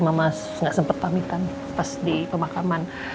mama gak sempet pamitan pas di pemakaman